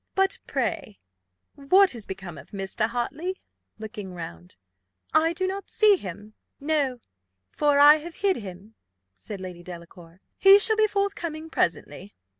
"But pray, what is become of Mr. Hartley?" looking round: "I do not see him." "No: for I have hid him," said Lady Delacour: "he shall be forthcoming presently."